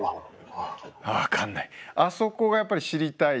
あそこがやっぱり知りたいですね